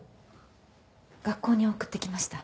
学校に送ってきました。